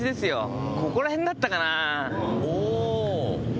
ここら辺だったかな？